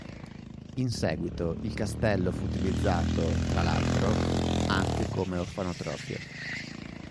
In seguito, il castello fu utilizzato, tra l'altro, anche come orfanotrofio.